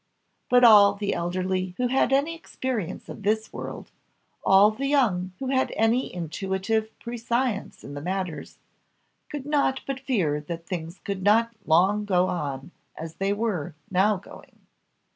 But all the elderly who had any experience of this world, all the young who had any intuitive prescience in these matters, could not but fear that things could not long go on as they were now going.